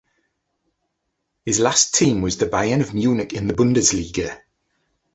His last team was the Bayern of Múnich in the Bundesliga.